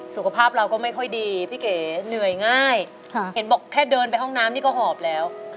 สุขภาพเราก็ไม่ค่อยดีพี่เก๋เหนื่อยง่ายเห็นบอกแค่เดินไปห้องน้ำนี่ก็หอบแล้ว